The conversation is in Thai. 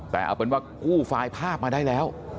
แต่เอาเป็นว่ากู้ไฟล์ภาพมาได้แล้ว